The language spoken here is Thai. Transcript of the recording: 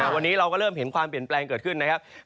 วันนี้เราก็เริ่มเห็นความเปลี่ยนแปลงเกิดขึ้นนะครับ